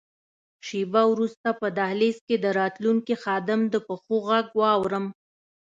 شیبه وروسته په دهلېز کې د راتلونکي خادم د پښو ږغ واورم.